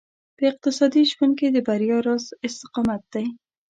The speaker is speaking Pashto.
په اقتصادي ژوند کې د بريا راز استقامت دی.